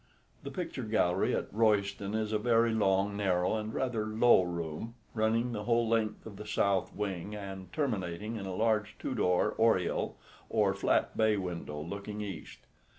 The picture gallery at Royston is a very long, narrow, and rather low room, running the whole length of the south wing, and terminating in a large Tudor oriel or flat bay window looking east.